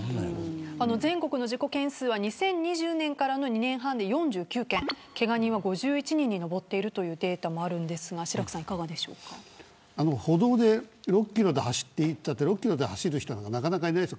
全国の事故件数は２０２０年からの２年半で４９件けが人は５１人に上っているというデータもありますが歩道で６キロでと言ったって歩道で６キロで走る人はなかなかいないですよ。